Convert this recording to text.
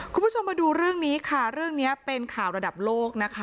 คุณผู้ชมมาดูเรื่องนี้ค่ะเรื่องนี้เป็นข่าวระดับโลกนะคะ